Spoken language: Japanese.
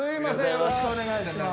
よろしくお願いします。